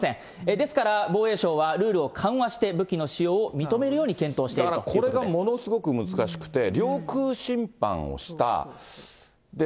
ですから、防衛省はルールを緩和して武器の使用を認めるように検だからこれがものすごく難しくて、領空侵犯をした。